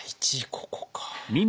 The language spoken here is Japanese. ここか。